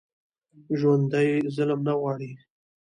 ژوندي ظلم نه غواړي